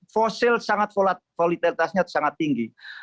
nah ini juga sangat kualitasnya sangat tinggi